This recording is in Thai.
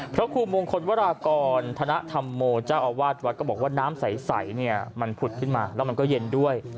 พระครูมงคลวรากรธนธรรมโมเจ้าอาวาสวัดก็บอกว่าน้ำใสเนี่ยมันผุดขึ้นมาแล้วมันก็เย็นด้วย